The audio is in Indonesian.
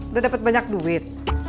udah dapat banyak duit